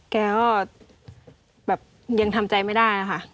แกก็แบบยังทำใจไม่ได้ค่ะ